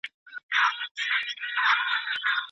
ولي محنتي ځوان د پوه سړي په پرتله ډېر مخکي ځي؟